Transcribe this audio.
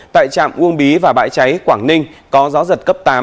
tại trạm uông bí và bãi cháy quảng ninh có gió giật cấp tám